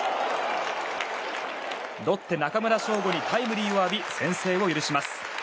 ロッテ、中村奨吾にタイムリーを浴び先制を許します。